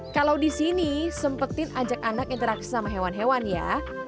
kalau di sini sempetin ajak anak interaksi sama hewan hewan ya